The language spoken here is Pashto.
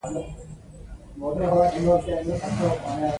افغان ځواکونه له هر ګوټه راټولېږي.